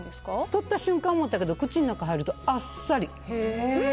取った瞬間は思ったけど口の中入るとあっさり。